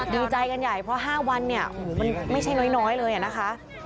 ดีใจกันใหญ่เพราะ๕วันเนี่ยมันไม่ใช่น้อยเลยนะคะ